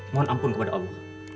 mohon ampun kepada allah